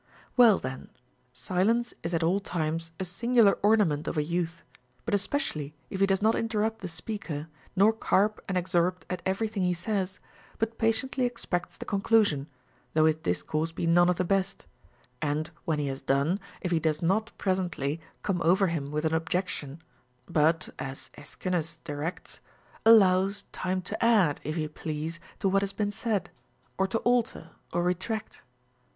4. Well then, silence is at all times a singular ornament of a youth, but especially if he does not interrupt the speaker nor carp and except at every thing he says, but patiently expects the conclusion, though his discourse be none of the best ; and when he has done, if he does not presently come over him Avith an objection, but (as Aeschines directs) allows time to add, if he please, to Avhat has been said, or to alter, or retract.